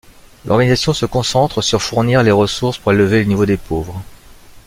L'organisation se concentre sur fournir les ressources pour élever le niveau des pauvres.